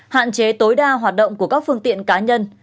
hạn chế tối đa hoạt động của các phương tiện cá nhân